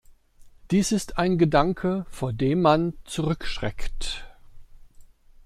Dies ist ein Gedanke, vor dem man zurückschreckt.